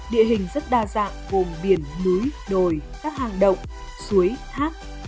địa hình rất đa dạng gồm biển núi đồi các hàng động suối tháp